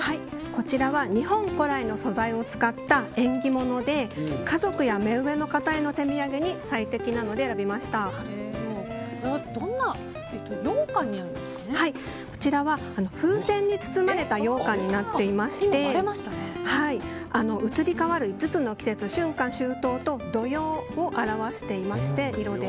こちらは日本古来の素材を使った縁起物で家族や目上の方への手土産に最適なのでこちらは風船に包まれたようかんで移り変わる５つの季節春夏秋冬と土用を表していまして色で。